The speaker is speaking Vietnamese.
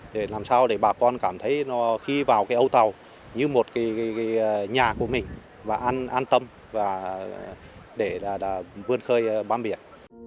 để làm sao để bà con cảm thấy khi vào cái âu tàu như một cái nhà của mình và an tâm để vươn khởi bám biển